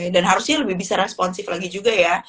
dan harusnya lebih bisa responsif lagi juga ya